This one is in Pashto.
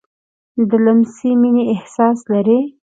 لمسی د مینې احساس لري.